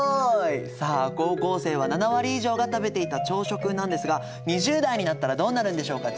さあ高校生は７割以上が食べていた朝食なんですが２０代になったらどうなるんでしょうか。